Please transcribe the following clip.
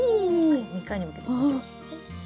２回に分けていきましょう。